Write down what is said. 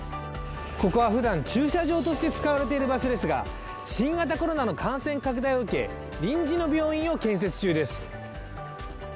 ここはふだん、駐車場として使われている場所ですが、新型コロナの感染拡大を受け、臨時の病院を建設中です。